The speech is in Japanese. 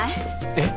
えっ？